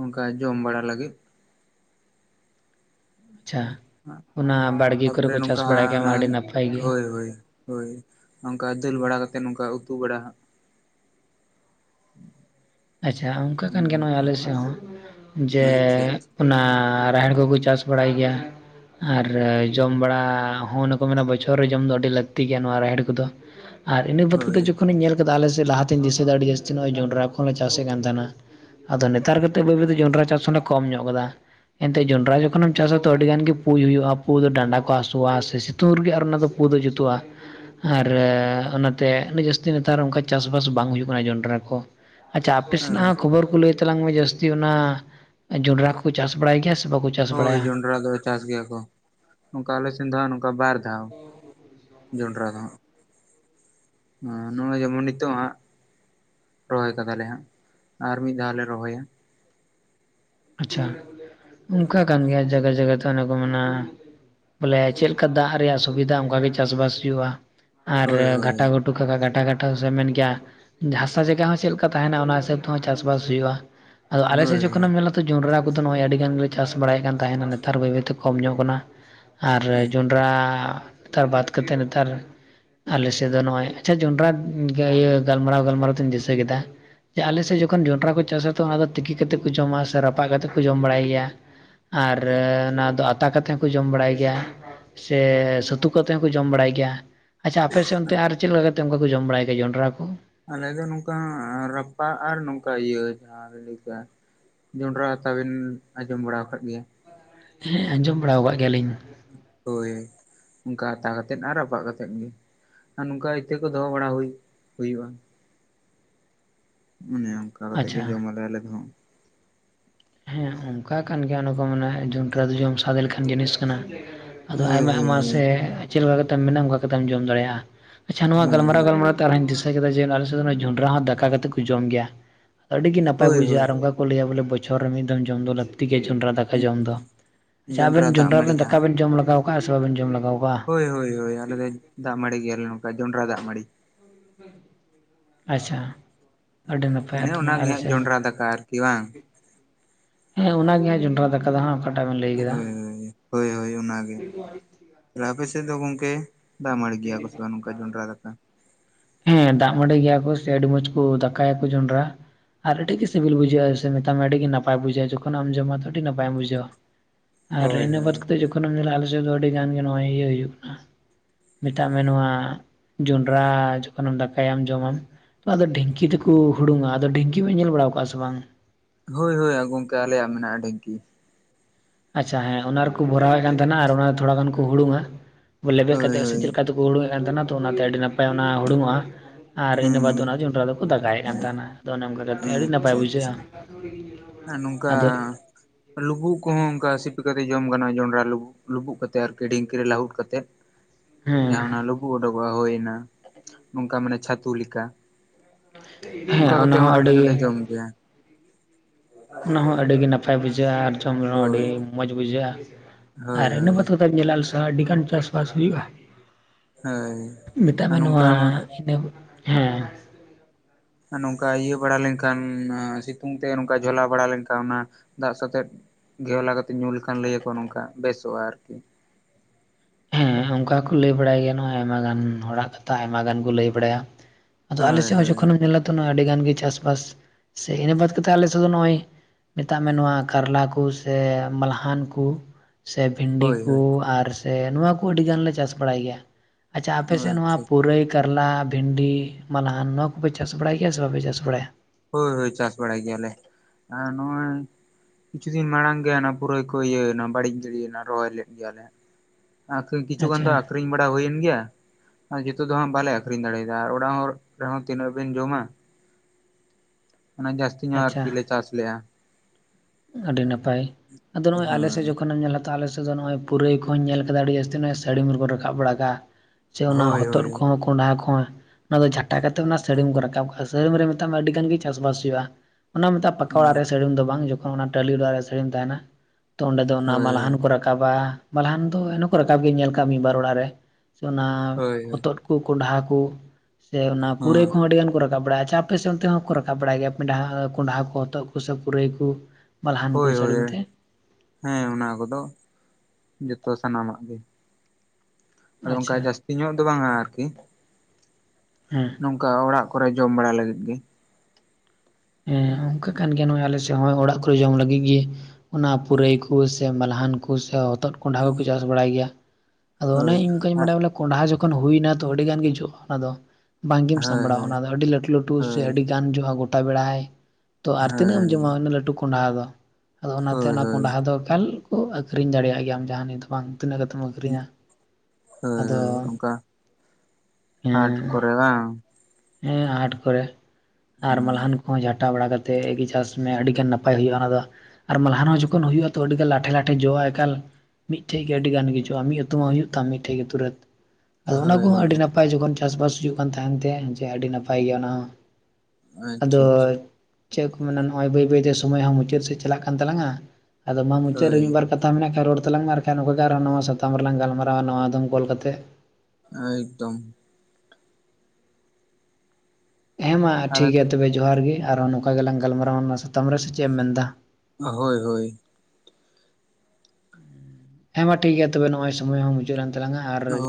ᱚᱝᱠᱟ ᱡᱚᱢ ᱵᱟᱲᱟ ᱞᱟᱹᱜᱤᱫ ᱟᱪᱪᱷᱟ ᱚᱱᱟ ᱵᱟᱲᱜᱮ ᱠᱚᱨᱮ ᱛᱯᱚᱨᱮ ᱠᱚ ᱱᱚᱠᱟ ᱪᱟᱥ ᱵᱟᱲᱟᱭ ᱠᱷᱟᱱ ᱚᱱᱟ ᱢᱟ ᱟᱹᱰᱤ ᱱᱟᱯᱟᱭ ᱜᱮ ᱦᱳᱭ ᱦᱳᱭ ᱦᱳᱭ ᱱᱚᱝᱠᱟ ᱫᱟᱹᱞ ᱵᱟᱲᱟ ᱠᱟᱛᱮ ᱱᱚᱝᱠᱟ ᱩᱛᱩ ᱵᱟᱲᱟ (inaudible) ᱟᱪᱪᱷᱟ ᱚᱱᱠᱟ ᱠᱟᱱ ᱚᱱᱮ ᱜᱮᱭᱟ ᱱᱚᱜᱼᱚᱭ ᱚᱱᱠᱟ ᱟᱞᱮ ᱥᱮᱫ ᱦᱚᱸ ᱡᱮ ᱟᱪᱪᱷᱟ ᱟᱪᱪᱷᱟ ᱚᱱᱟ ᱨᱟᱦᱮᱲ ᱠᱚᱠᱚ ᱪᱟᱥ ᱵᱟᱲᱟᱭ ᱜᱮᱭᱟ ᱟᱨ ᱡᱚᱢ ᱵᱟᱲᱟ ᱦᱚᱸ ᱚᱱᱟ ᱠᱚ ᱢᱮᱱᱟ ᱵᱚᱪᱷᱚᱨ ᱨᱮ ᱡᱚᱢ ᱫᱚ ᱟᱹᱰᱤ ᱞᱟᱹᱠᱛᱤ ᱜᱮᱭᱟ ᱱᱚᱣᱟ ᱨᱟᱦᱮᱲ ᱠᱚᱫᱚ ᱟᱨ ᱤᱱᱟᱹ ᱵᱟᱫᱽ ᱦᱳᱭ ᱠᱟᱛᱮᱫ ᱡᱚᱠᱷᱚᱱ ᱤᱧ ᱧᱮᱞ ᱠᱟᱫᱟ ᱟᱞᱮᱥᱮᱫ ᱞᱟᱦᱟᱛᱮᱧ ᱫᱤᱥᱟᱹᱭ ᱫᱟ ᱟᱹᱰᱤ ᱡᱟᱹᱥᱛᱤ ᱱᱚᱜᱼᱚᱭ ᱡᱚᱸᱰᱨᱟ ᱠᱚᱦᱚᱸ ᱞᱮ ᱪᱟᱥᱮᱫ ᱠᱟᱱ ᱛᱟᱦᱮᱱᱟ ᱟᱫᱚ ᱱᱮᱛᱟᱨ ᱠᱟᱛᱮᱜ ᱵᱟᱭ ᱵᱟᱭ ᱛᱮ ᱡᱚᱱᱰᱨᱟ ᱪᱟᱥ ᱦᱚᱞᱮ ᱠᱚᱢ ᱧᱚᱜ ᱠᱟᱫᱟ ᱮᱱᱛᱮ ᱡᱚᱱᱰᱨᱟ ᱡᱚᱠᱷᱚᱱᱮᱢ ᱪᱟᱥᱟ ᱛᱚ ᱟᱹᱰᱤ ᱜᱟᱱ ᱜᱮ ᱯᱩᱭ ᱦᱩᱭᱩᱜᱼᱟ ᱯᱩ ᱫᱚ ᱰᱟᱸᱰᱟ ᱠᱚ ᱦᱟᱥᱩᱣᱟ ᱥᱮ ᱛᱩᱨ ᱜᱮ ᱟᱨ ᱚᱱᱟᱫᱚ ᱯᱩ ᱫᱚ ᱡᱩᱛᱩᱜᱼᱟ ᱟᱨ ᱚᱱᱟᱛᱮ ᱟᱰᱤ ᱡᱟᱹᱥᱛᱤ ᱱᱮᱛᱟᱨ ᱚᱱᱠᱟ ᱪᱟᱥᱼᱵᱟᱥ ᱵᱟᱝ ᱦᱩᱭᱩᱜ ᱠᱟᱱᱟ ᱡᱚᱸᱰᱨᱟ ᱠᱚ ᱟᱪᱪᱷᱟ ᱟᱯᱮ ᱦᱳᱭ ᱥᱮᱱᱟᱜ ᱠᱷᱚᱵᱚᱨ ᱠᱚ ᱞᱟᱹᱭ ᱛᱟᱞᱟᱝ ᱢᱮ ᱡᱟᱹᱟᱥᱛᱤ ᱚᱱᱟ ᱡᱚᱸᱰᱨᱟ ᱠᱚ ᱪᱟᱥ ᱵᱟᱲᱟᱭ ᱜᱮᱭᱟ ᱥᱮ ᱵᱟᱠᱚ ᱪᱟᱥ ᱦᱳᱭ ᱵᱟᱲᱟᱭᱟ ᱡᱚᱱᱰᱨᱟ ᱫᱚ ᱪᱟᱥ ᱜᱮᱭᱟ ᱠᱚ ᱱᱚᱝᱠᱟ ᱟᱞᱮᱥᱮᱱ ᱫᱚ ᱦᱟᱜ ᱱᱚᱝᱠᱟ ᱵᱟᱨ ᱫᱷᱟᱣ ᱡᱚᱸᱰᱨᱟ ᱫᱚ ᱦᱟᱜ ᱮ ᱱᱚᱜ ᱚᱭ ᱡᱮᱢᱚᱱ ᱱᱤᱛᱚᱜ ᱟᱜ ᱨᱚᱦᱚᱭ ᱠᱟᱫᱟᱞᱮ ᱦᱟᱸᱜ ᱟᱨ ᱢᱤᱫ ᱫᱷᱟᱣ ᱞᱮ ᱨᱚᱦᱚᱭᱟ ᱟᱪᱪᱷᱟ ᱚᱱᱠᱟ ᱠᱟᱱ ᱜᱮᱭᱟ ᱡᱟᱜᱟ ᱡᱟᱜᱟ ᱫᱚ ᱚᱱᱮ ᱠᱚ ᱢᱮᱱᱟ ᱵᱚᱞᱮ ᱪᱮᱫ ᱞᱮᱠᱟ ᱫᱟᱜ ᱨᱮᱭᱟᱜ ᱥᱩᱵᱤᱫᱷᱟ ᱚᱱᱠᱟ ᱜᱮ ᱪᱟᱥ ᱵᱟᱥ ᱦᱩᱭᱩᱜᱼᱟ ᱟᱨ ᱦᱳᱭ ᱦᱳᱭ ᱜᱷᱟᱴᱟ ᱜᱷᱩᱴᱩ ᱠᱟᱜ ᱠᱷᱟᱭ ᱜᱷᱟᱴᱟ ᱜᱷᱟᱴᱟ ᱥᱮ ᱢᱮᱱ ᱠᱮᱭᱟ ᱦᱟᱥᱟ ᱡᱟᱭᱜᱟ ᱦᱚᱸ ᱪᱮᱫ ᱞᱮᱠᱟ ᱛᱟᱦᱮᱱᱟ ᱚᱱᱟ ᱦᱤᱥᱟᱹᱵ ᱛᱮᱦᱚᱸ ᱪᱟᱥ ᱵᱟᱥ ᱦᱩᱭᱩᱜᱼᱟ ᱟᱫᱚ ᱟᱞᱮᱥᱮᱫ ᱦᱳᱭ ᱡᱚᱠᱷᱚᱱᱮᱢ ᱧᱮᱞᱟ ᱛᱚ ᱡᱚᱸᱱᱰᱨᱟ ᱠᱚᱫᱚ ᱱᱚᱜ ᱟᱹᱰᱤ ᱜᱟᱱ ᱜᱮᱞᱮ ᱪᱟᱥ ᱵᱟᱲᱟᱭ ᱠᱟᱱ ᱛᱟᱦᱮᱱᱟ ᱱᱮᱛᱟᱨ ᱵᱟᱹᱭ ᱠᱚᱢ ᱧᱚᱜ ᱠᱟᱱᱟ ᱟᱨ ᱦᱳᱭ ᱡᱚ (inaudible) ᱱᱮᱛᱟᱨ ᱵᱟᱛ ᱠᱟᱛᱮ ᱱᱮᱛᱟᱨ ᱟᱞᱮᱥᱮᱫ ᱫᱚ ᱱᱚᱜᱼᱚᱭ ᱟᱪᱷᱟ ᱡᱚᱸᱰᱨᱟ ᱤᱭᱟᱹ ᱜᱟᱞᱢᱟᱨᱟᱣ ᱜᱟᱞᱢᱟᱨᱟᱣ ᱛᱮᱧ ᱫᱤᱥᱟᱹ ᱠᱮᱫᱟ ᱡᱮ ᱟᱞᱮᱥᱮᱫ ᱡᱚᱠᱷᱚᱱ ᱡᱚᱱᱰᱨᱟ ᱠᱚ ᱪᱟᱥᱟ ᱛᱚ ᱚᱱᱟ ᱫᱚ ᱛᱤᱠᱤ ᱠᱟᱛᱮᱫ ᱠᱚ ᱡᱚᱢᱟ ᱨᱟᱯᱟᱜ ᱠᱟᱛᱮ ᱠᱚ ᱡᱚᱢ ᱵᱟᱲᱟᱭ ᱜᱮᱭᱟ ᱟᱨ ᱚᱱᱟ ᱫᱚ ᱟᱛᱟ ᱠᱟᱛᱮᱫ ᱦᱚᱸ ᱠᱚ ᱡᱚᱢ ᱵᱟᱲᱟᱭ ᱜᱮᱭᱟ ᱥᱮ ᱥᱩᱛᱩ ᱠᱟᱛᱮ ᱦᱚᱸ ᱠᱚ ᱡᱚᱢ ᱵᱟᱲᱟᱭ ᱜᱮᱭᱟ ᱟᱪᱪᱷᱟ ᱟᱯᱮ ᱥᱮᱫ ᱚᱱᱛᱮ ᱟᱨ ᱪᱮᱫ ᱞᱮᱠᱟ ᱠᱟᱛᱮ ᱚᱱᱠᱟ ᱠᱚ ᱡᱚᱢ ᱵᱟᱲᱟᱭ ᱜᱮᱭᱟ ᱡᱚᱱᱰᱨᱟ ᱠᱚ ᱟᱞᱮ ᱫᱚ ᱱᱚᱝᱠᱟ ᱨᱟᱯᱟᱜ ᱟᱨ ᱱᱚᱝᱠᱟ ᱤᱭᱟᱹ ᱡᱟᱦᱟᱸᱞᱮ ᱞᱮᱠᱟ ᱡᱚᱸᱰᱨᱟ ᱟᱛᱟ ᱵᱤᱱ ᱟᱸᱡᱚᱢ ᱵᱟᱲᱟ ᱟᱠᱟᱫ ᱜᱮᱭᱟ ᱦᱮᱸ ᱟᱸᱡᱚᱢ ᱵᱟᱲᱟ ᱟᱠᱟᱫ ᱜᱮᱭᱟᱞᱤᱧ ᱦᱳᱭ ᱚᱱᱠᱟ ᱟᱛᱟ ᱠᱟᱛᱮᱫ ᱟᱨ ᱨᱟᱯᱟᱜ ᱠᱟᱛᱮᱫ ᱜᱮ ᱟᱨ ᱱᱚᱝᱠᱟ ᱤᱛᱟᱹ ᱠᱚ ᱫᱚᱦᱚ ᱵᱟᱲᱟ ᱦᱩᱭ ᱦᱩᱭᱩᱜᱼᱟ ᱚᱱᱮ ᱚᱱᱠᱟ ᱠᱟᱛᱮᱜ ᱟᱪᱪᱷᱟ ᱜᱮ ᱡᱚᱢᱟᱞᱮ ᱟᱞᱮ ᱫᱚ ᱦᱮᱸ ᱚᱱᱠᱟ ᱠᱟᱱ ᱜᱮᱭᱟ ᱚᱱᱮ‌ᱠᱚ ᱢᱮᱱᱟ ᱡᱚᱱᱰᱨᱟ ᱫᱚ ᱡᱚᱢ ᱥᱟᱫ ᱞᱮᱠᱷᱟᱱ ᱡᱤᱱᱤᱥ ᱠᱟᱱᱟ ᱟᱫᱚ ᱦᱳᱭ ᱟᱭᱢᱟ ᱟᱭᱢᱟ ᱦᱳᱭ ᱥᱮ ᱪᱮᱫ ᱞᱮᱠᱟ ᱠᱟᱛᱮᱢ ᱢᱮᱱᱟ ᱚᱱᱠᱟ ᱠᱟᱛᱮᱢ ᱡᱚᱢ ᱫᱟᱲᱮᱭᱟᱜᱼᱟ ᱟᱪᱪᱷᱟ ᱱᱚᱣᱟ ᱦᱳᱭ ᱜᱟᱞᱢᱟᱨᱟᱣ ᱜᱟᱞᱢᱟᱨᱟᱣ ᱟᱨᱦᱟᱧ ᱫᱤᱥᱟᱹ ᱠᱮᱫᱟ ᱡᱮ ᱟᱞᱮ ᱥᱮᱫ ᱫᱚ ᱡᱚᱸᱱᱰᱨᱟ ᱦᱚᱸ ᱫᱟᱠᱟ ᱠᱟᱛᱮ ᱠᱚ ᱡᱚᱢ ᱜᱮᱭᱟ ᱟᱹᱰᱤ ᱜᱮ ᱱᱟᱯᱟᱭ ᱦᱳᱭ ᱵᱩᱡᱟᱹᱜᱼᱟ ᱦᱳᱭ ᱟᱨ ᱚᱱᱠᱟ ᱠᱚ ᱞᱟᱹᱭᱟ ᱵᱚᱞᱮ ᱵᱚᱪᱷᱚᱨ ᱨᱮ ᱢᱤᱫ ᱫᱚᱢ ᱡᱚᱢ ᱫᱚ ᱞᱟᱹᱛᱤ ᱜᱮᱭᱟ ᱡᱚᱸᱰᱨᱟ ᱫᱟᱠᱟ ᱡᱚᱢ ᱫᱚ ᱟᱪᱷᱟ ᱡᱚᱱᱰᱨᱟ ᱟᱵᱮᱱ ᱫᱟᱜ ᱡᱚᱸᱰᱨᱟ ᱢᱟᱹᱲᱤ ᱵᱮᱱ ᱫᱟᱠᱟ ᱡᱟᱦᱟᱸ ᱵᱮᱱ ᱡᱚᱢ ᱞᱟᱜᱟᱣ ᱠᱟᱜᱼᱟ ᱥᱮ ᱵᱟᱵᱮᱱ ᱡᱚᱢ ᱞᱮᱟᱜᱟᱣ ᱠᱟᱜᱼᱟ ᱦᱳᱭ ᱦᱳᱭ ᱦᱳᱭ ᱟᱞᱮ ᱫᱚ ᱫᱟᱜᱢᱟᱲᱤ ᱜᱮᱭᱟᱞᱮ ᱱᱚᱝᱠᱟ ᱡᱚᱸᱰᱨᱟ ᱫᱟᱜ ᱢᱟᱹᱱᱰᱤ ᱟᱪᱪᱷᱟ ᱟᱹᱰᱤ ᱱᱟᱯᱟᱭ ᱢᱟᱱᱮ ᱟᱛᱚ ᱱᱚᱣᱟ ᱚᱱᱟᱜᱮ ᱟᱞᱮ ᱦᱟᱸᱜ ᱥᱮ ᱦᱚᱸ ᱡᱚᱱᱰᱨᱟ ᱫᱟᱠᱟ ᱟᱨᱠᱤ ᱵᱟᱝ ᱦᱮᱸ ᱚᱱᱟᱜᱮ ᱦᱟᱜ ᱡᱚᱸᱰᱨᱟ ᱫᱟᱠᱟ ᱫᱚ ᱦᱟᱜ ᱦᱳᱭ ᱦᱳᱭ ᱦᱳᱭ ᱦᱳᱭ ᱚᱱᱟᱜᱮ ᱟᱯᱮ ᱥᱮᱫ ᱫᱚ ᱜᱚᱝᱠᱮ ᱫᱟᱜ ᱢᱟᱲᱤ ᱜᱮᱭᱟ ᱠᱚ ᱥᱮ ᱵᱟᱝ ᱱᱚᱝᱠᱟ ᱡᱚᱸᱰᱨᱟ ᱫᱟᱠᱟ ᱦᱮᱸ ᱫᱟᱜ ᱢᱟᱹᱰᱤ ᱜᱮᱭᱟ ᱠᱚ ᱥᱮ ᱟᱹᱰᱤ ᱢᱚᱸᱡᱽ ᱠᱚ ᱫᱟᱠᱟᱭᱟᱠᱚ ᱡᱚᱸᱰᱨᱟ ᱟᱨ ᱟᱹᱰᱤ ᱜᱮ ᱥᱤᱵᱤᱞ ᱵᱩᱡᱷᱟᱹᱜᱼᱟ ᱥᱮ ᱢᱮᱛᱟᱢ ᱟᱹᱰᱤ ᱜᱮ ᱱᱟᱯᱟᱭ ᱵᱩᱡᱷᱟᱹᱜᱼᱟ ᱡᱚᱠᱷᱚᱱᱮᱢ ᱡᱚᱢᱟ ᱛᱚᱠᱷᱚᱱ ᱟᱹᱰᱤ ᱱᱟᱯᱟᱭᱮᱢ ᱵᱩᱡᱷᱟᱹᱣᱟ ᱟᱨ ᱦᱳᱭ ᱤᱱᱟᱹ ᱦᱳᱭ ᱵᱟᱫ ᱠᱟᱛᱮᱫ ᱡᱚᱠᱷᱚᱱᱮᱢ ᱧᱮᱞᱟ ᱟᱞᱮᱥᱮᱫ ᱫᱚ ᱟᱹᱰᱤ ᱜᱟᱱ ᱜᱮ ᱱᱚᱜᱼᱚᱭ ᱤᱭᱟᱹ ᱦᱩᱭᱩᱜ ᱠᱟᱱᱟ ᱢᱮᱛᱟᱜ ᱢᱮ ᱱᱚᱣᱟ ᱡᱚᱱᱰᱨᱟ ᱡᱚᱠᱷᱚᱱᱮᱢ ᱫᱟᱠᱟᱭᱟᱢ ᱡᱚᱢᱟᱢ ᱟᱫᱚ ᱰᱷᱤᱝᱠᱤ ᱛᱮᱠᱚ ᱦᱩᱲᱩᱝᱟ ᱟᱫᱚ ᱰᱷᱤᱝᱠᱤ ᱵᱮᱱ ᱧᱮᱞ ᱵᱟᱲᱟ ᱠᱟᱜᱼᱟ ᱥᱮ ᱵᱟᱝ ᱦᱳᱭ ᱦᱳᱭ ᱜᱚᱢᱠᱮ ᱟᱞᱮᱭᱟᱜ ᱢᱮᱱᱟᱜᱼᱟ ᱰᱷᱤᱮᱝᱠᱤ ᱟᱪᱪᱷᱟ ᱦᱮᱸ ᱚᱱᱟ ᱨᱮᱠᱚ ᱵᱷᱚᱨᱟᱣ ᱮᱫ ᱠᱟᱱ ᱛᱟᱦᱮᱱᱟ ᱟᱨ ᱚᱱᱟ ᱛᱷᱚᱲᱟ ᱜᱟᱱ ᱠᱚ ᱦᱩᱲᱩᱝᱼᱟ ᱞᱮᱵᱮᱫ ᱦᱳᱭ ᱠᱟᱛᱮᱫ ᱥᱮ ᱦᱳᱭ ᱪᱮᱫ ᱞᱮᱠᱟ ᱛᱮᱠᱚ ᱦᱩᱲᱩᱝ ᱮᱫ ᱠᱟᱱ ᱛᱟᱦᱮᱱᱟ ᱛᱚ ᱚᱱᱟᱛᱮ ᱟᱹᱰᱤ ᱱᱟᱯᱟᱭ ᱚᱱᱟ ᱦᱩᱲᱩᱝᱚᱜᱼᱟ ᱟᱨ ᱤᱱᱟᱹ ᱦᱩᱸ ᱵᱟᱫ ᱫᱚ ᱚᱱᱟ ᱡᱚᱸᱰᱨᱟ ᱫᱚᱠᱚ ᱫᱟᱠᱟᱭᱮᱫ ᱠᱟᱱ ᱛᱟᱦᱮᱱᱟ ᱟᱫᱚ ᱚᱱᱮ ᱚᱱᱠᱟ ᱠᱟᱛᱮᱫ ᱟᱹᱰᱤ ᱱᱟᱯᱟᱭ ᱟᱪᱪᱷᱟ ᱟᱪᱪᱷᱟ ᱵᱩᱡᱷᱟᱹᱜᱼᱟ ᱟᱨ ᱱᱚᱝᱠᱟ ᱟᱫᱚ ᱞᱩᱵᱩᱜ ᱦᱮᱸ ᱠᱚᱦᱚᱸ ᱚᱱᱠᱟ ᱥᱤᱯᱤ ᱠᱟᱛᱮ ᱡᱚᱢ ᱜᱟᱱᱚᱜᱟ ᱡᱚᱱᱰᱨᱟ ᱞᱵᱩᱜ ᱞᱩᱵᱩᱜ ᱠᱟᱛᱮᱫ ᱟᱨᱠᱤ ᱰᱷᱤᱝᱠᱤ ᱨᱮ ᱞᱟᱹᱦᱩᱫ ᱠᱟᱛᱮᱫ ᱡᱟᱦᱟᱸ ᱚᱱᱟ ᱞᱩᱵᱩᱜ ᱚᱰᱩᱠᱚᱜ-ᱟ ᱦᱳᱭ ᱚᱱᱟ ᱚᱝᱠᱟ ᱢᱟᱱᱮ ᱪᱷᱟᱹᱛᱩ ᱞᱮᱠᱟ ᱦᱮᱸ ᱚᱱᱠᱟ ᱚᱱᱟ ᱠᱟᱛᱮ ᱦᱚᱸ ᱟᱞᱮ ᱟᱹᱰᱤ ᱫᱚᱞᱮ ᱡᱚᱢ ᱜᱮᱭᱟ ᱚᱱᱟ ᱦᱚᱸ ᱟᱹᱰᱤ ᱜᱮ ᱱᱟᱯᱟᱭ ᱵᱩᱡᱷᱟᱹᱜᱼᱟ ᱟᱨ ᱡᱚᱢ ᱨᱮ ᱦᱚᱸ ᱟᱹᱰᱤ ᱦᱳᱭ ᱢᱚᱸᱡᱽ ᱵᱩᱡᱷᱟᱹᱜᱼᱟ ᱦᱳᱭ ᱟᱨ ᱤᱱᱟᱹ ᱦᱳᱭ ᱵᱟᱛ ᱠᱟᱛᱮ ᱧᱮᱞᱟ ᱟᱞᱮ ᱥᱮᱜ ᱦᱚᱸ ᱟᱹᱰᱤ ᱜᱟᱱ ᱪᱟᱥᱵᱟᱥ ᱦᱩᱭᱩᱜᱼᱟ ᱦᱳᱭ ᱢᱮᱛᱟᱜ ᱟᱨ ᱢᱮ ᱱᱚᱝᱠᱟ ᱱᱚᱣᱟ ᱤᱱᱟᱹ ᱦᱮᱸ ᱱᱚᱝᱠᱟ ᱤᱭᱟᱹ ᱵᱟᱲᱟ ᱞᱮᱱᱠᱷᱟᱱ ᱥᱤᱛᱩᱝ ᱛᱮ ᱱᱚᱝᱠᱟ ᱡᱷᱚᱞᱟ ᱵᱟᱲᱟ ᱞᱮᱱᱠᱷᱟᱱ ᱚᱱᱟ ᱫᱟᱜ ᱥᱟᱛᱮᱜ ᱜᱷᱮᱣᱞᱟ ᱠᱟᱛᱮ ᱧᱩ ᱞᱮᱠᱷᱟᱱ ᱞᱟᱹᱭᱟᱠᱚ ᱱᱚᱝᱠᱟ ᱵᱮᱥᱚᱜᱼᱟ ᱟᱨᱠᱤ ᱦᱮᱸ ᱚᱱᱠᱟ ᱠᱚ ᱞᱟᱹᱭ ᱵᱟᱲᱟᱭ ᱜᱮᱭᱟ ᱱᱚᱜᱚᱭ ᱟᱭᱢᱟ ᱜᱟᱱ ᱦᱚᱲᱟᱜ ᱠᱟᱛᱷᱟ ᱟᱭᱢᱟ ᱜᱟᱱ ᱠᱚ ᱞᱟᱹᱭ ᱵᱟᱲᱟᱭᱟ ᱟᱫᱚ ᱟᱞᱮ ᱦᱳᱭ ᱥᱮᱫ ᱦᱚᱸ ᱡᱚᱠᱷᱚᱱ ᱦᱳᱭ ᱧᱮᱞᱟ ᱟᱹᱰᱤ ᱜᱟᱱ ᱜᱮ ᱪᱟᱥᱵᱟᱥ ᱥᱮ ᱤᱱᱟᱹ ᱵᱟᱫ ᱠᱟᱛᱮᱜ ᱟᱞᱮ ᱥᱮᱫ ᱫᱚ ᱱᱚᱜᱼᱚᱭ ᱢᱮᱛᱟᱜ ᱢᱮ ᱱᱚᱣᱟ ᱠᱟᱨᱞᱟ ᱠᱚ ᱥᱮ ᱢᱟᱞᱦᱟᱱ ᱠᱚ ᱥᱮ ᱵᱷᱤᱱᱰᱤ ᱠᱩ ᱦᱳᱭ ᱟᱨ ᱥᱮ ᱱᱚᱣᱟ ᱠᱩ ᱟᱹᱰᱤ ᱜᱟᱱᱞᱮ ᱪᱟᱥ ᱵᱟᱲᱟᱭ ᱜᱮᱭᱟ ᱟᱪᱪᱷᱟ ᱟᱯᱮ ᱥᱮ ᱦᱳᱭ ᱱᱚᱣᱟ ᱟᱪᱪᱷᱟ ᱯᱩᱨᱟᱹᱭ ᱠᱟᱨᱞᱟ ᱵᱷᱤᱱᱰᱤ ᱢᱟᱞᱦᱟᱱ ᱱᱚᱣᱟ ᱠᱚᱯᱮ ᱪᱟᱥ ᱵᱟᱲᱟᱭᱟ ᱜᱮᱭᱟ ᱥᱮᱵᱟᱯᱮ ᱪᱟᱥ ᱵᱟᱲᱟᱭᱟ? ᱦᱳᱭ ᱦᱳᱭ ᱪᱟᱥ ᱵᱟᱲᱟᱭ ᱜᱮᱭᱟᱞᱮ ᱟᱨ ᱱᱚᱜᱼᱚᱭ ᱠᱤᱪᱷᱩ ᱫᱤᱱ ᱢᱟᱲᱟᱝ ᱜᱮ ᱚᱱᱟ ᱯᱩᱨᱟᱹᱭ ᱠᱚ ᱤᱭᱟᱹᱭ ᱚᱱᱟ ᱵᱟᱹᱲᱤᱡᱮ ᱜᱤᱲᱤ ᱭᱮᱱᱟ ᱨᱚᱦᱚᱭ ᱞᱮᱱ ᱜᱮᱭᱟᱞᱮ ᱟᱠᱟᱡ ᱠᱤᱪᱷᱩ ᱜᱟᱱ ᱟᱪᱪᱷᱟ ᱫᱚ ᱟᱠᱷᱨᱤᱧ ᱵᱟᱲᱟ ᱦᱩᱭᱮᱱ ᱜᱮᱭᱟᱹ ᱡᱚᱛᱚ ᱫᱚ ᱦᱟᱸᱜ ᱵᱟᱞᱮ ᱟᱠᱷᱨᱤᱧ ᱫᱟᱲᱮᱭᱟᱫᱟ ᱟᱨ ᱚᱲᱟᱜ ᱦᱚᱲ ᱨᱮᱦᱚᱸ ᱛᱤᱱᱟᱹᱜ ᱵᱮᱱ ᱡᱚᱢᱟ ᱚᱱᱟ ᱡᱟᱹᱥᱛᱤ ᱧᱚᱜ ᱟᱪᱪᱷᱟ ᱟᱨᱠᱤ ᱞᱮ ᱪᱟᱥ ᱞᱮᱼᱟ ᱟᱹᱰᱤ ᱱᱟᱯᱟᱭ ᱟᱫᱚ ᱱᱚᱜᱚᱭ ᱟᱞᱮᱥᱮᱫ ᱡᱚᱠᱷᱚᱱᱮᱢ ᱧᱮᱞᱞᱟ ᱟᱞᱮᱥᱮᱫ ᱫᱚ ᱱᱚᱜᱼᱚᱭ ᱯᱩᱨᱟᱹᱭ ᱠᱚᱦᱚᱧ ᱧᱮᱞ ᱟᱠᱟᱫᱟ ᱟᱹᱰᱤ ᱡᱟᱹᱥᱛᱤ ᱥᱟᱹᱲᱤᱢ ᱨᱮᱠᱚ ᱨᱟᱠᱟᱵ ᱵᱟᱲᱟᱠᱟᱜᱼᱟ ᱥᱮ ᱚᱱᱟ ᱦᱳᱭ ᱦᱳᱭ ᱦᱚᱛᱚᱫ ᱠᱚᱦᱚᱸ ᱠᱚᱸᱰᱷᱟ ᱠᱚᱦᱚᱸ ᱚᱱᱟ ᱫᱚ ᱡᱷᱟᱴᱟ ᱠᱟᱛᱮᱫ ᱚᱱᱟ ᱥᱟᱹᱲᱤᱢ ᱠᱚ ᱨᱟᱠᱟᱵ ᱠᱟᱜᱼᱟ ᱥᱟᱹᱲᱤᱢ ᱨᱮ ᱢᱮᱛᱟᱜ ᱢᱮ ᱟᱹᱰᱤ ᱜᱟᱱ ᱜᱮ ᱪᱟᱥᱵᱟᱥ ᱦᱩᱭᱩᱜᱼᱟ ᱚᱱᱟ ᱢᱮᱛᱟᱜ ᱯᱟᱠᱟ ᱚᱲᱟᱜ ᱦᱳᱭ ᱨᱮ ᱥᱟᱹᱲᱤᱢ ᱫᱚ ᱵᱟᱝ ᱡᱚᱠᱷᱚᱱ ᱚᱱᱟ ᱴᱟᱹᱞᱤ ᱚᱲᱟᱜ ᱨᱮ ᱥᱟᱹᱲᱤᱢ ᱛᱟᱦᱮᱱᱟ ᱛᱚ ᱚᱸᱰᱮ ᱚᱱᱟ ᱦᱳᱭ ᱢᱟᱞᱦᱟᱱ ᱠᱚ ᱨᱟᱠᱟᱵ ᱨᱟᱠᱟᱵᱟ ᱢᱟᱞᱦᱟᱱ ᱫᱚ ᱮ ᱠᱚ ᱨᱟᱠᱟᱵ ᱜᱮᱭᱟᱧ ᱧᱮᱞ ᱠᱟᱜᱼᱟ ᱢᱤᱫ ᱵᱟᱨ ᱚᱲᱟᱜ ᱨᱮ ᱥᱮ ᱚᱱᱟ ᱦᱳᱭ ᱦᱳᱭ ᱦᱚᱛᱚᱫ ᱠᱚᱸᱰᱟ ᱠᱚ ᱥᱮ ᱚᱱᱟ ᱯᱩᱨᱟᱹᱭ ᱦᱮᱸ ᱠᱚᱦᱚᱸ ᱟᱹᱰᱤ ᱜᱟᱱ ᱠᱚ ᱨᱟᱠᱟᱵ ᱵᱟᱲᱟᱭᱟᱜᱼᱟ ᱟᱯᱮ ᱥᱮᱱ ᱚᱱᱛᱮ ᱦᱚᱸᱠᱚ ᱨᱟᱠᱟᱵ ᱵᱟᱲᱟᱭ ᱜᱮᱭᱟ ᱯᱮᱰ ᱠᱚᱸᱰᱷᱟᱟ ᱠᱚ ᱦᱚᱛᱚᱜ ᱠᱚ ᱥᱮ ᱯᱩᱨᱟᱹᱭ ᱠᱚ? ᱢᱟᱞᱦᱟᱱ ᱠᱚ ᱦᱳᱭ ᱥᱟᱹᱲᱤᱢ ᱦᱳᱭ ᱛᱮ ᱦᱮᱸ ᱚᱱᱟ ᱠᱚᱫᱚ ᱡᱚᱛᱚ ᱥᱟᱱᱟᱢᱟᱜ ᱜᱮ ᱟᱫᱚ ᱚᱱᱠᱟ ᱟᱪᱪᱷᱟ ᱡᱟᱹᱥᱛᱤ ᱧᱚᱜ ᱫᱚ ᱵᱟᱝᱟ ᱟᱨᱠᱤ ᱦᱮᱸ ᱱᱚᱝᱠᱟ ᱚᱲᱟᱜ ᱠᱚᱨᱮ ᱡᱚᱢ ᱵᱟᱲᱟ ᱞᱟᱹᱜᱤᱫ ᱜᱮ ᱦᱮᱸ ᱦᱩᱸ ᱚᱱᱠᱟ ᱠᱟᱱ ᱜᱮᱭᱟ ᱱᱚᱜᱼᱚᱭ ᱟᱞᱮᱥᱮᱫ ᱦᱚᱸᱜ ᱱᱚᱭ ᱚᱲᱟᱜ ᱠᱚᱨᱮ ᱡᱚᱢ ᱞᱟᱹᱜᱤᱫ ᱜᱮ ᱚᱱᱟ ᱯᱩᱨᱟᱹᱭ ᱥᱮ ᱢᱟᱞᱦᱟᱱ ᱠᱚ ᱥᱮ ᱦᱚᱛᱚᱫ ᱠᱚᱸᱰᱷᱟ ᱠᱚᱠᱚ ᱪᱟᱥ ᱵᱟᱲᱟᱭ ᱜᱮᱭᱟ ᱟᱫᱚ ᱦᱳᱭ ᱚᱱᱮᱧ ᱚᱱᱠᱟᱧ ᱦᱳᱭ ᱵᱟᱰᱟᱭ ᱵᱚᱞᱮ ᱠᱚᱸᱰᱦᱷᱟ ᱡᱚᱠᱷᱚᱱ ᱦᱩᱭᱱᱟ ᱛᱚ ᱟᱹᱰᱤ ᱜᱟᱱ ᱜᱮ ᱡᱚᱜᱼᱟ ᱚᱱᱟ ᱫᱚ ᱵᱟᱝᱜᱮᱢ ᱦᱳᱭ ᱥᱟᱢᱵᱲᱟᱜᱣᱟ ᱦᱳᱭ ᱚᱱᱟ ᱫᱚ ᱟᱹᱰᱤ ᱞᱟᱹᱴᱩ ᱞᱟᱹᱴᱩ ᱥᱮ ᱦᱳᱭ ᱟᱹᱰᱤ ᱜᱟᱱ ᱡᱚᱜ ᱟ ᱜᱳᱴᱟ ᱵᱮᱲᱟᱭ ᱛᱚ ᱟᱨ ᱛᱤᱱᱟᱹᱜ ᱮᱢ ᱡᱚᱢᱟ ᱩᱱᱟᱹᱜ ᱞᱟᱹᱴᱩ ᱠᱚᱸᱰᱷᱟ ᱫᱚ ᱟᱫᱚ ᱚᱱᱟᱛᱮ ᱦᱳᱭ ᱦᱳᱭ ᱚᱱᱟ ᱦᱳᱭ ᱠᱚᱸᱰᱷᱟ ᱫᱚ ᱮᱠᱟᱞ ᱠᱚ ᱟᱠᱷᱨᱤᱧ ᱫᱟᱲᱮᱭᱟᱜ ᱜᱮᱭᱟᱢ ᱡᱟᱦᱟᱸᱱ ᱫᱚ ᱵᱟᱝ ᱛᱤᱱᱟᱹᱜ ᱠᱟᱛᱮᱢ ᱟᱹᱠᱷᱨᱤᱧᱟ ᱦᱳᱭ ᱟᱫᱚ ᱦᱳᱭ ᱱᱚᱝᱠᱟ ᱦᱮᱸᱻ ᱦᱟᱴ ᱠᱚᱨᱮ ᱵᱟᱝ ᱦᱮᱸ ᱦᱟᱴ ᱠᱚᱨᱮ ᱟᱨ ᱦᱩᱸ ᱢᱟᱞᱦᱟᱱ ᱠᱚᱨᱮ ᱡᱷᱟᱴᱟ ᱵᱟᱲᱟ ᱠᱟᱛᱮᱫ ᱜᱤ ᱪᱟᱥ ᱢᱮ ᱟᱹᱰᱤ ᱜᱟᱱ ᱱᱟᱯᱟᱭ ᱦᱳᱭᱳᱜᱼᱟ ᱚᱱᱟ ᱫᱚ ᱟᱨ ᱢᱟᱞᱦᱟ ᱦᱚᱸ ᱡᱚᱠᱷᱚᱱ ᱦᱩᱭᱩᱜᱼᱟ ᱛᱚ ᱟᱹᱰᱤᱜᱟᱱ ᱞᱟᱴᱷᱮ ᱞᱟᱴᱷᱮ ᱡᱚᱜᱼᱟ ᱮᱠᱟᱞ ᱢᱤᱫᱴᱷᱮᱱ ᱜᱮ ᱟᱹᱰᱤ ᱜᱟᱱ ᱦᱤᱡᱩᱜᱼᱟ ᱢᱤᱫ ᱟᱹᱛᱩ ᱢᱟ ᱦᱩᱭᱩᱜ ᱛᱟᱢ ᱢᱤᱫᱴᱷᱮᱡ ᱜᱮ ᱛᱩᱸᱨᱟᱛ ᱟᱫᱚ ᱚᱱᱟ ᱦᱳᱭ ᱠᱚᱦᱚᱸ ᱦᱳᱭ ᱟᱹᱰᱤ ᱱᱟᱯᱟᱭ ᱡᱚᱠᱷᱚᱱ ᱪᱟᱥᱼᱵᱟᱥ ᱦᱩᱭᱩᱜ ᱠᱟᱱ ᱛᱟᱦᱮᱱ ᱛᱮ ᱡᱮ ᱟᱹᱰᱤ ᱱᱟᱯᱟᱭ ᱜᱮ ᱚᱱᱟ ᱦᱚᱸ ᱟᱫᱚ ᱟᱪᱪᱷᱟ ᱟᱪᱪᱷᱟ ᱪᱮᱫ ᱠᱚ ᱢᱮᱱᱟ ᱱᱚᱜᱚᱭ ᱵᱟᱹᱭ ᱵᱟᱹᱭᱛᱮ ᱥᱚᱢᱚᱭ ᱦᱚᱸ ᱢᱩᱪᱟᱹᱫ ᱥᱮᱫ ᱪᱟᱞᱟᱜ ᱠᱟᱱ ᱛᱟᱞᱟᱝᱟ ᱟᱫᱚ ᱢᱟ ᱢᱩᱪᱟᱹᱫ ᱨᱮ ᱦᱳᱭ ᱢᱤᱫ ᱵᱟᱨ ᱠᱟᱛᱷᱟ ᱢᱮᱱᱟᱜ ᱠᱷᱟᱱ ᱨᱚᱲ ᱛᱮᱞᱟᱝ ᱢᱮ ᱟᱨ ᱠᱷᱟᱱᱡ ᱱᱚᱝᱠᱟᱜ ᱟᱨᱚ ᱱᱟᱣᱟ ᱥᱟᱛᱟᱢ ᱨᱮᱞᱟᱝ ᱜᱟᱞᱢᱟᱨᱟᱣᱟ ᱱᱚᱣᱟ ᱟᱫᱚᱢ ᱠᱚᱞ ᱠᱟᱛᱮ ᱦᱮᱸ ᱮᱠᱫᱚᱢ ᱦᱮᱸ ᱢᱟ ᱟᱞᱮ ᱴᱷᱤᱠ ᱜᱮᱭᱟ ᱛᱚᱵᱮ ᱡᱚᱦᱟᱨ ᱜᱮ ᱟᱨᱦᱚᱸ ᱱᱚᱝᱠᱟ ᱜᱮᱞᱟᱝ ᱜᱟᱞᱢᱟᱨᱟᱣᱟ ᱚᱱᱟ ᱥᱟᱛᱟᱢ ᱨᱮ ᱥᱮ ᱪᱮᱫ ᱮᱢ ᱢᱮᱱᱫᱟᱹ ᱦᱳᱭᱼᱦᱳᱭ ᱦᱮᱸ ᱢᱟ ᱴᱷᱤᱠ ᱜᱮᱭᱟ ᱛᱚᱵᱮ ᱱᱚᱜᱼᱚᱭ ᱥᱚᱢᱚᱭ ᱢᱩᱪᱮᱫ ᱮᱱ ᱛᱟᱞᱟᱝᱼᱟ ᱟᱨ ᱦᱳᱭ